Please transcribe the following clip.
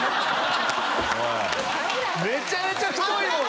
めちゃめちゃ太い。